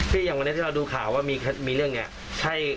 พี่ยังเมื่อนี้ที่เราดูข่าวว่ามีมีเรื่องไงใช่